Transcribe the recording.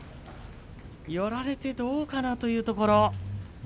寄られてどうかなというところ。